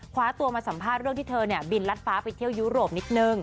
คว้าตัวมาสัมภาษณ์เรื่องที่เธอเนี่ยบินรัดฟ้าไปเที่ยวยุโรปนิดนึง